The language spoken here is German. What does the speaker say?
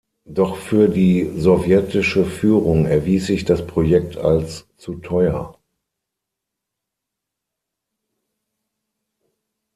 Doch für die sowjetische Führung erwies sich das Projekt als zu teuer.